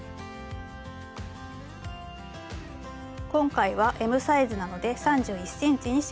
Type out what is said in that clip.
今回はＭサイズなので３１ｃｍにしました。